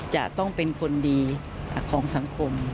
จะต้องเป็นคนดีของสังคม